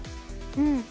うん。